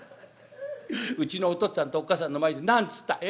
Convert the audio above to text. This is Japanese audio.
うちのおとっつぁんとおっかさんの前で何つったええ？